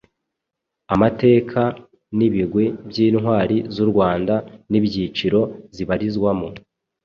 Amateka n’ibigwi by’intwari z’u Rwanda n’ibyiciro zibarizwamo